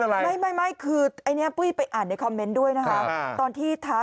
อะไรไม่ไม่ไม่คือไอ้เนี้ยปุ้ยไปอ่านในด้วยนะฮะตอนที่ท้า